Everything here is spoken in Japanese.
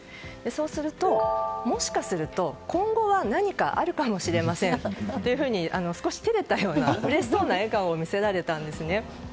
そうすると、もしかすると今後は何かあるかもしれませんと少し照れたような、うれしそうな笑顔を見せられたんですね。